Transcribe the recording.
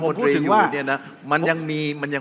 ผมพูดถึงว่า